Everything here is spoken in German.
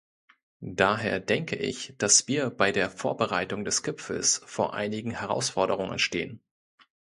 Daher denke ich, dass wir bei der Vorbereitung des Gipfels vor einigen Herausforderungen stehen.